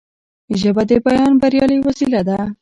ژبه د بیان بریالۍ وسیله ده